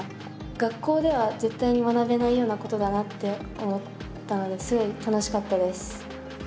学校では絶対に学べないようなことだなって思ったのですごい楽しかったです。